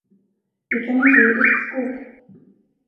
Vi kan inte ge uppskov.